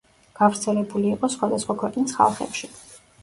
გავრცელებული იყო სხვადასხვა ქვეყნის ხალხებში.